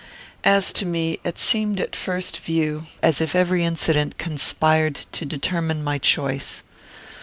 As to me, it seemed at first view as if every incident conspired to determine my choice.